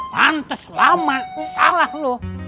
pantes laman salah lo